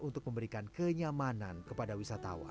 untuk memberikan kenyamanan kepada wisatawan